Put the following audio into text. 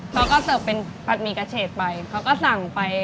เขาก็เติบเป็นพัดมีกาเชศไปเขาก็สั่งไป